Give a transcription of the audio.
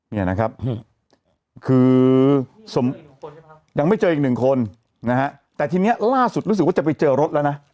เนี่ยนะครับคือยังไม่เจออีกหนึ่งคนนะฮะแต่ทีนี้ล่าสุดรู้สึกว่าจะไปเจอรถแล้วนะ